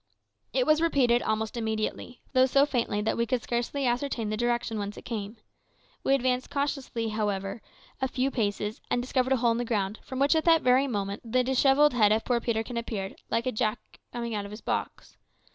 It was repeated almost immediately, though so faintly that we could scarcely ascertain the direction whence it came. We advanced cautiously, however, a few paces, and discovered a hole in the ground, from which, at that very moment, the dishevelled head of poor Peterkin appeared, like Jack coming out of his box.